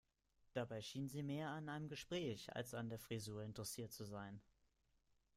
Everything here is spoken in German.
Dabei schien sie mehr an einem Gespräch als an der Frisur interessiert zu sein.